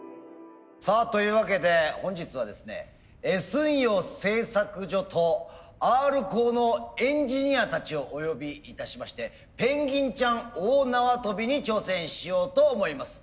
さあというわけで本日はですねＳ陽製作所とＲコーのエンジニアたちをお呼びいたしましてペンギンちゃん大縄跳びに挑戦しようと思います。